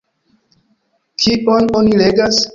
Kion oni legas?